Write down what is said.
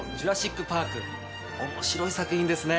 面白い作品ですね。